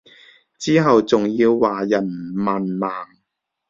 之後仲要話人文盲